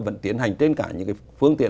vẫn tiến hành trên cả những phương tiện